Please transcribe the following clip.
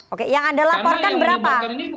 oke yang anda laporkan berapa